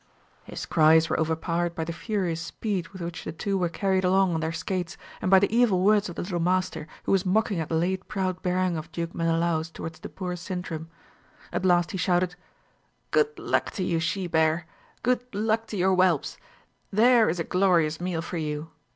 His cries were overpowered by the furious speed with which the two were carried along on their skates, and by the evil words of the little Master, who was mocking at the late proud bearing of Duke Menelaus towards the poor Sintram. At last he shouted, "Good luck to you, she bear! good luck to your whelps! There is a glorious meal for you!